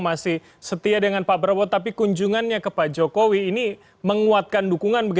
masih setia dengan pak prabowo tapi kunjungannya ke pak jokowi ini menguatkan dukungan